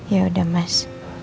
ya udah mas